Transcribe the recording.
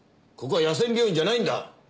ここは野戦病院じゃないんだ。